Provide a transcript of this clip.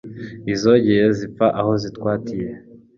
Izogeye zipfa aho zirwatiye